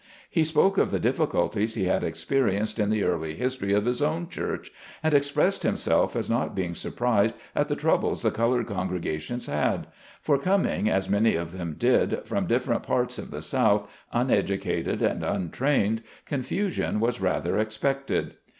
He spoke of the difficulties he had experienced in the early history of his own church, and expressed himself as not being surprised at the troubles the colored congregations had; for coming, as many of them did, from different parts of the South, unedu cated and untrained, confusion was rather expected.